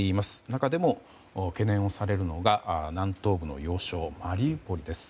中でも懸念をされるのが南東部の要衝マリウポリです。